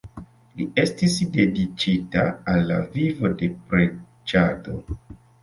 Li estis dediĉita al la vivo de preĝado.